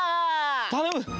たのむ！